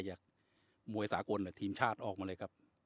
หรือมวยสาครหรือทีมชาติออกมาเลยครับ